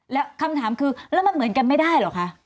แล้วคำถามคือแล้วมันเหมือนกันไม่ได้เหรอคะ